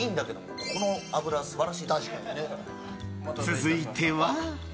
続いては。